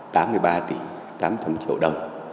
là một trăm tám mươi ba tỷ tám trăm triệu đồng